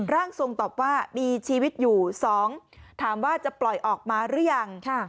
ร่างทรงตอบว่ามีชีวิตอยู่๒ถามว่าจะปล่อยออกมาหรือยัง